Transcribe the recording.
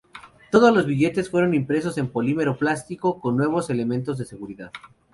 Todos los billetes fueron impresos en polímero plástico con nuevos elementos de seguridad.